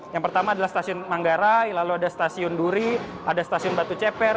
yang pertama adalah stasiun manggarai lalu ada stasiun duri ada stasiun batu ceper